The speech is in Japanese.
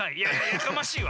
やかましいわ！